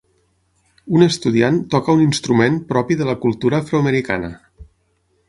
Un estudiant toca un instrument propi de la cultura afroamericana.